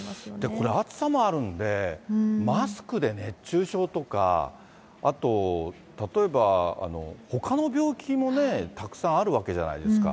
これ、暑さもあるんで、マスクで熱中症とか、あと例えば、ほかの病気もたくさんあるわけじゃないですか。